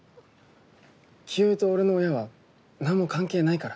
清居と俺の親はなんも関係ないから。